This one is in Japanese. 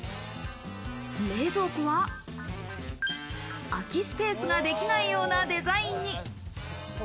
冷蔵庫は、空きスペースができないようなデザインに。